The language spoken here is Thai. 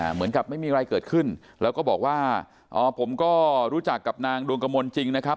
เหมือนกับไม่มีอะไรเกิดขึ้นแล้วก็บอกว่าผมก็รู้จักกับนางดวงกระมวลจริงนะครับ